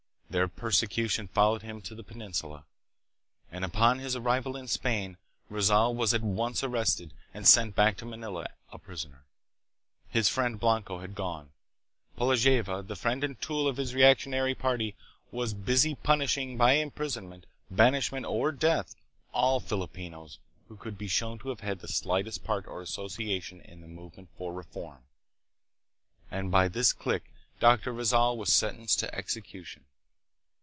Their persecution followed him to the Peninsula, and, upon his arrival in Spain, Rizal was at once arrested and sent back to Manila a prisoner. His friend Blanco had gone. Polavieja, the friend and tool of the reactionary party, was busy punishing by imprisonment, banishment or death all Filipinos who could be shown to have the slightest part or association in the movement for reform. And by this clique Dr. Rizal was sentenced to execution.